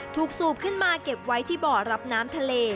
สูบขึ้นมาเก็บไว้ที่บ่อรับน้ำทะเล